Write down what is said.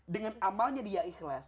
dengan amalnya dia ikhlas